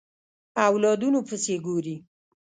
اولادونو پسې ګوري